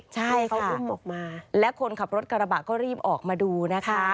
ใช่ค่ะและคนขับรถกระบะก็รีบออกมาดูนะคะ